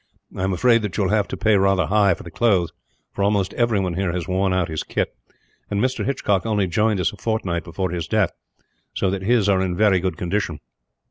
I am afraid that you will have to pay rather high for the clothes, for almost everyone here has worn out his kit; and Mr. Hitchcock only joined us a fortnight before his death, so that his are in very good condition.